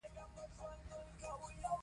سرکونه مه خرابوئ.